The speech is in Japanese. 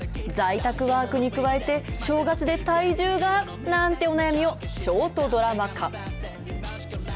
在宅ワークに加えて、正月で体重が、なんてお悩みをショートドラマ化。